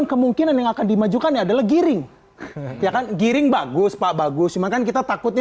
kemungkinan yang akan dimajukan adalah giring ya kan giring bagus pak bagus makan kita takutnya